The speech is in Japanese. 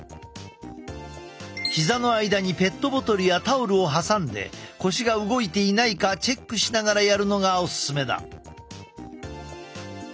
膝の間にペットボトルやタオルを挟んで腰が動いていないかチェックしながらやるのがオススメだ。